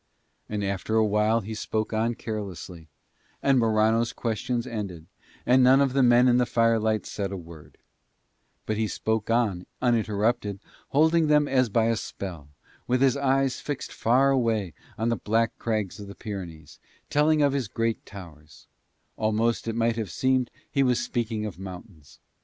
And after a while he spoke on carelessly, and Morano's questions ended, and none of the men in the firelight said a word; but he spoke on uninterrupted, holding them as by a spell, with his eyes fixed far away on black crags of the Pyrenees, telling of his great towers: almost it might have seemed he was speaking of mountains.